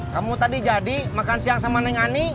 kamu tadi jadi makan siang sama neng ani